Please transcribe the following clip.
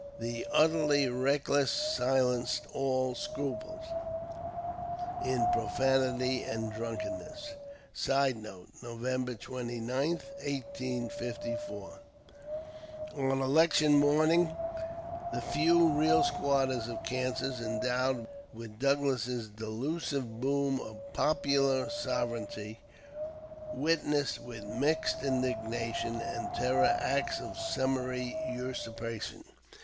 The utterly reckless silenced all scruples in profanity and drunkenness. [Sidenote: Nov. 29, 1854.] On election morning the few real squatters of Kansas, endowed with Douglas's delusive boon of "popular sovereignty," witnessed with mixed indignation and terror acts of summary usurpation.